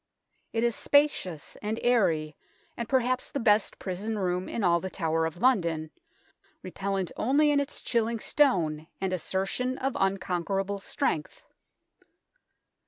It is spacious and airy, and perhaps the best prison room in all the Tower of London, repellent only in its chilling stone and assertion of unconquerable strength.